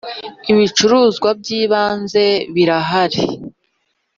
ibicuruzwa by’ ibanze birahari.